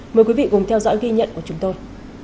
mời quý vị cùng theo dõi ghi nhận của chúng tôi